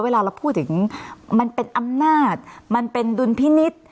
เวลาเราพูดถึงมันเป็นอำนาจมันเป็นดุลพินิษฐ์